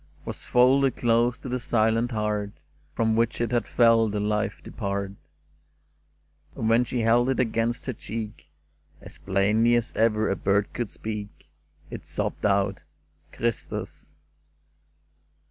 l66 "CHRISTUS!" Was folded close to the silent heart From which it had felt the life depart ; And when she held it against her cheek, As plainly as ever a bird could speak It sobbed out, ' Christus